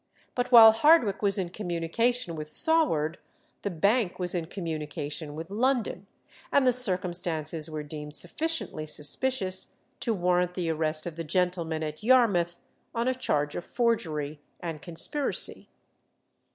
But while Hardwicke was in communication with Saward, the bank was in communication with London, and the circumstances were deemed sufficiently suspicious to warrant the arrest of the gentlemen at Yarmouth on a charge of forgery and conspiracy.